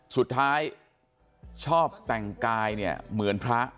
สุดท้ายชอบแต่งกายเนี่ยเหมือนพระ